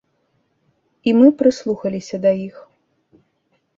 І мы прыслухаліся да іх.